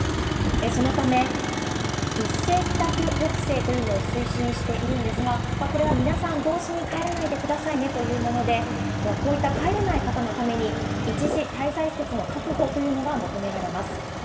そのため、一斉帰宅抑制というのを推進しているんですが、これは皆さん同時に帰らないでくださいねというもので、こういった帰れない方のために、一時滞在施設の確保というのが求められます。